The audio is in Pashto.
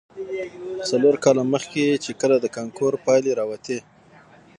څلور کاله مخې، چې کله د کانکور پايلې راوتې.